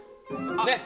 ねっ。